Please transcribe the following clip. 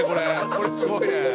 これすごいね。